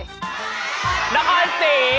นครสีอะไรอีก